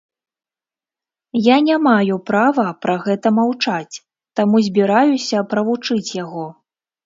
Я не маю права пра гэта маўчаць, таму збіраюся правучыць яго.